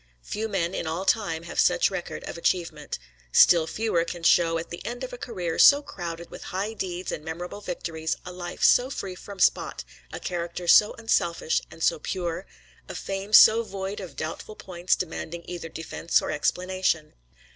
Few men in all time have such a record of achievement. Still fewer can show at the end of a career so crowded with high deeds and memorable victories a life so free from spot, a character so unselfish and so pure, a fame so void of doubtful points demanding either defense or explanation.